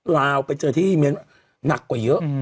ลาวไปเจอที่เมียนหนักกว่าเยอะ